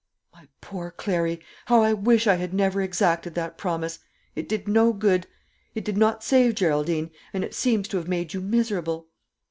"My poor Clary, how I wish I had never exacted that promise! It did no good; it did not save Geraldine, and it seems to have made you miserable.